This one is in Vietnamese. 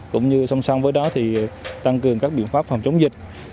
cũng như song song với đó thì tăng cường các biện pháp phòng chống dịch